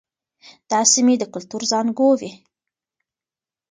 دا سیمې د کلتور زانګو وې.